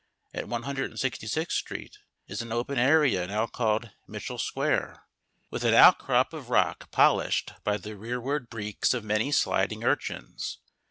At 166th Street is an open area now called Mitchel Square, with an outcrop of rock polished by the rearward breeks of many sliding urchins.